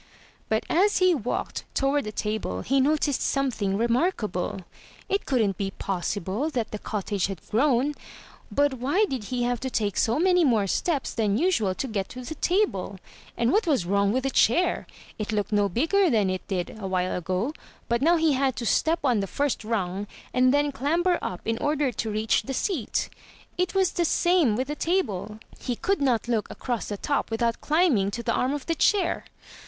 But as he walked toward the table, he noticed something remarkable. It couldn't be possible that the cottage had grown. But why did he have to take so many more steps than usual to get to the table? And what was wrong with the chair? It looked no bigger than it did a while ago; but now he had to step on the first rung and then clamber up in order to reach the seat. It was the same with the table. He could not look across the top without climbing to the arm of the chair.